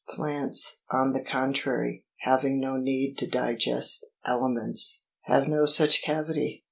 Plants, on the contrary, having no need to digest ali ments, have no such cavity.